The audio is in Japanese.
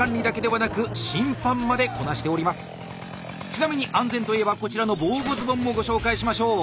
ちなみに安全といえばこちらの防護ズボンもご紹介しましょう。